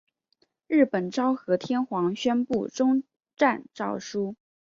日本昭和天皇宣布终战诏书。